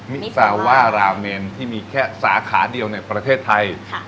ซาว่าราวเมนที่มีแค่สาขาเดียวในประเทศไทย